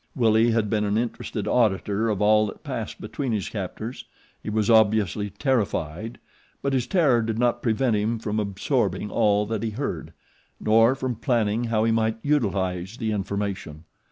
Willie had been an interested auditor of all that passed between his captors. He was obviously terrified; but his terror did not prevent him from absorbing all that he heard, nor from planning how he might utilize the information.